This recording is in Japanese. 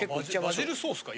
バジルソースか。